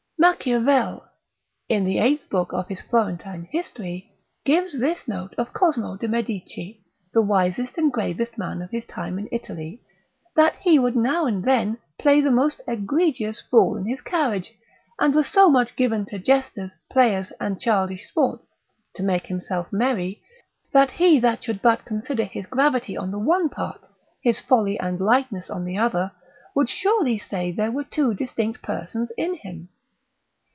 Machiavel, in the eighth book of his Florentine history, gives this note of Cosmo de Medici, the wisest and gravest man of his time in Italy, that he would now and then play the most egregious fool in his carriage, and was so much given to jesters, players and childish sports, to make himself merry, that he that should but consider his gravity on the one part, his folly and lightness on the other, would surely say, there were two distinct persons in him.